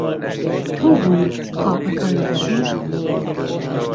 تۆ بوویت قاپەکانت شوشت؟